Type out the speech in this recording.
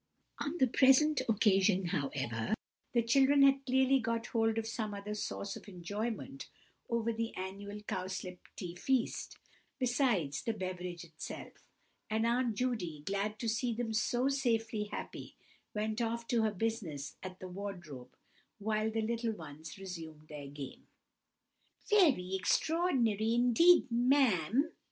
On the present occasion, however, the children had clearly got hold of some other source of enjoyment over the annual cowslip tea feast, besides the beverage itself; and Aunt Judy, glad to see them so safely happy, went off to her business at the wardrobe, while the little ones resumed their game. "Very extraordinary, indeed, ma'am!"